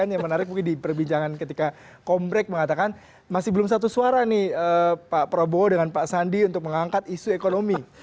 yang menarik mungkin di perbincangan ketika kompreh mengatakan masih belum satu suara nih pak prabowo dengan pak sandi untuk mengangkat isu ekonomi